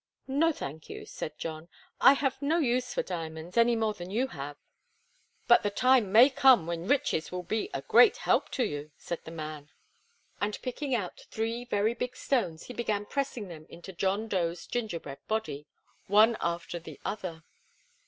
"No, thank you," said John. "I have no use for diamonds, any more than you have." "But the time may come when riches will be a great help to you," said the man, and picking out three very big stones he began pressing them into John Dough's gingerbread body, one after the other.